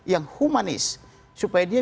yang humanis supaya dia